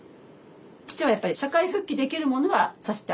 父はやっぱり社会復帰できるものはさせてあげたい。